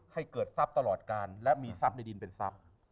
ให้เกิดทรัพย์ตลอดการและมีทรัพย์ในดินเป็นทรัพย์